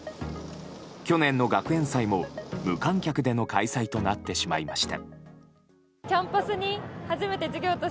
去年の学園祭も無観客での開催となってしまいました。